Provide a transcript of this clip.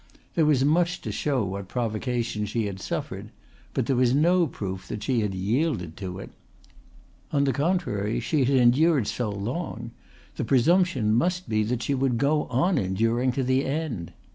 There was much to show what provocation she had suffered, but there was no proof that she had yielded to it. On the contrary she had endured so long, the presumption must be that she would go on enduring to the end.